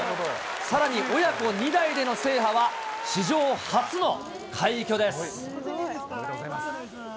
さらに親子２代での制覇は史上初の快挙です。